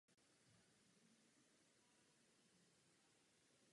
V severním průčelí osově vystupuje rizalit vertikálně členěn třemi osami.